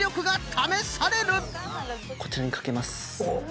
こちらにかけます。